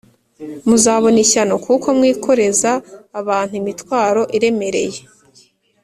muzabona ishyano kuko mwikoreza abantu imitwaro iremereye